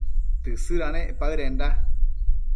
Tësëdanec paëdenda